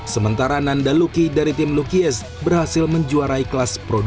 sementara nanda luki dari tim lukies berhasil menjuarai kelas pro dua